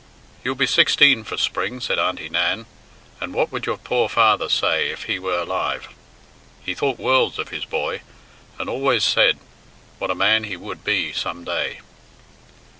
"You'll be sixteen for spring," said Auntie Nan, "and what would your poor father say if he were alive? He thought worlds of his boy, and always said what a man he would be some day."